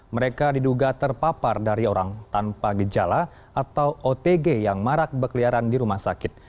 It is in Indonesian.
mereka diduga terpapar dari orang tanpa gejala atau otg yang marak berkeliaran di rumah sakit